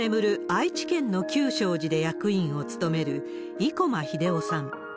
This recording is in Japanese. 愛知県の久昌寺で役員を務める生駒英夫さん。